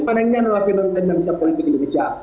kita ingin mengenal pihak pihak indonesia politik indonesia